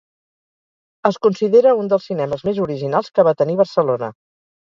Es considera un dels cinemes més originals que va tenir Barcelona.